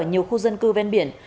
nhiều khu dân cư ven biển